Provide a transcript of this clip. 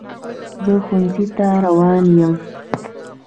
زه ښوونځي ته روان یم.